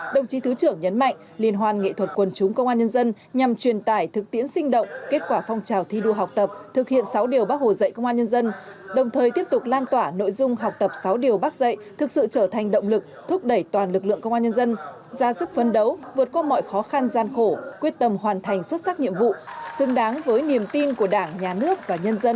đồng chí thứ trưởng nhấn mạnh liên hoan nghệ thuật quần chúng công an nhân dân nhằm truyền tải thực tiễn sinh động kết quả phong trào thi đua học tập thực hiện sáu điều bác hồ dạy công an nhân dân đồng thời tiếp tục lan tỏa nội dung học tập sáu điều bác dạy thực sự trở thành động lực thúc đẩy toàn lực lượng công an nhân dân ra sức phấn đấu vượt qua mọi khó khăn gian khổ quyết tâm hoàn thành xuất sắc nhiệm vụ xứng đáng với niềm tin của đảng nhà nước và nhân dân